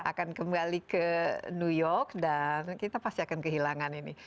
akan kembali ke new york dan kita pasti akan kehilangan ini